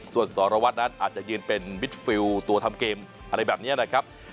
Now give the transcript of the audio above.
ส่วนสรวัตรนั้นอาจจะยืนเป็นมิดฟิลตัวทำเกมอะไรแบบนี้นะครับ